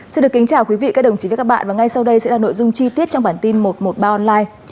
xin được kính chào quý vị các đồng chí với các bạn và ngay sau đây sẽ là nội dung chi tiết trong bản tin một trăm một mươi ba online